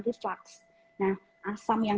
reflux nah asam yang